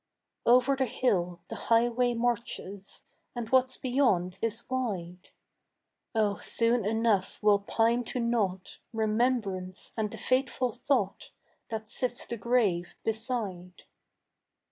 Over the hill the highway marches And what's beyond is wide: Oh soon enough will pine to nought Remembrance and the faithful thought That sits the grave beside.